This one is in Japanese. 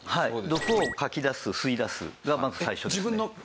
毒をかき出す吸い出すがまず最初ですね。